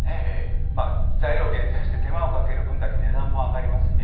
材料を厳選して手間をかける分だけ値段も上がりますよね。